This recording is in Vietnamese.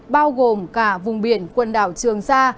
bao gồm cả vùng biển quần đảo trường sa